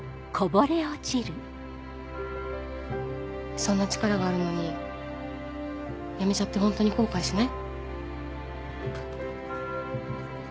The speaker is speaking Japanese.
そんな力があるのにやめちゃってホントに後悔しない？